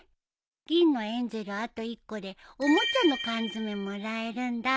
銀のエンゼルあと一個でおもちゃのカンヅメもらえるんだ。